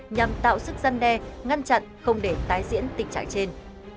nhằm tạo sức dân đe ngăn chặn không để tái diễn tình trạng trên